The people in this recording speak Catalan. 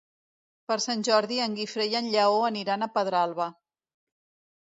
Per Sant Jordi en Guifré i en Lleó aniran a Pedralba.